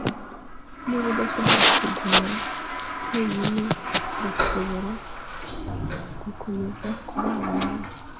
Niba udashaka kuguma wenyine, ndashobora gukomeza kubana nawe.